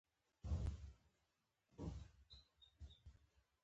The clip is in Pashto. خو خیر اکبر جانه اندېښنه مه کوه.